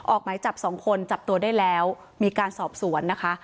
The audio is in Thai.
ออกหมายจับสองคนจับตัวได้แล้วมีการสอบสวนนะคะ